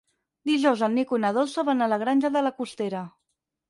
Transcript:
Dijous en Nico i na Dolça van a la Granja de la Costera.